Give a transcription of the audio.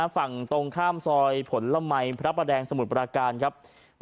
ฝั่งตรงข้ามซอยผลัยพระประแดงสมุทรปราการครับ